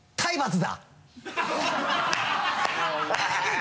「だ」？